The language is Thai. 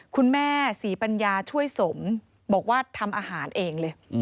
คุณแม่ศรีปัญญาช่วยสมบอกว่าทำอาหารเองเลย